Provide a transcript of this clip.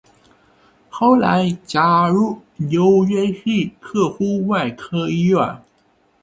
后来加入纽约市特殊外科医院。